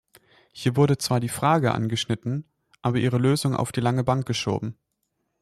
Hier wurde zwar die Frage angeschnitten, aber ihre Lösung auf die lange Bank geschoben.